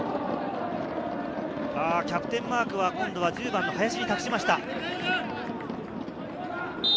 キャプテンマークは今度は１０番・林に託しました。